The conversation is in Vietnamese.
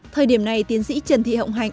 thời điểm này tiến sĩ trần thị hậu hạnh